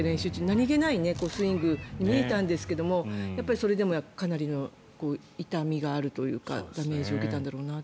何げないスイングに見えたんですがそれでもかなりの痛みがあるというかダメージを受けたんだろうなと。